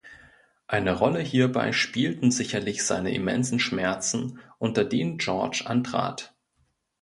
Eine Rolle hierbei spielten sicherlich seine immensen Schmerzen unter denen George antrat.